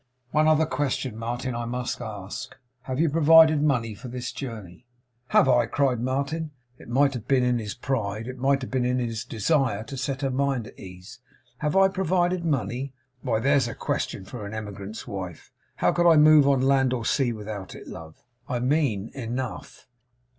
'One other question, Martin, I must ask. Have you provided money for this journey?' 'Have I?' cried Martin; it might have been in his pride; it might have been in his desire to set her mind at ease: 'Have I provided money? Why, there's a question for an emigrant's wife! How could I move on land or sea without it, love?' 'I mean, enough.